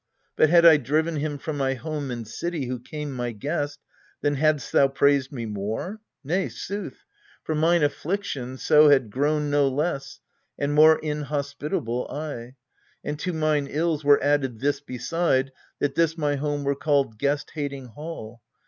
But had I driven him from my home and city Who came my guest, then hadst thou praised me more ? Nay, sooth ; for mine affliction so had grown No less, and more inhospitable I ; And to mine ills were added this beside, That this my home were called " Guest hating Hall."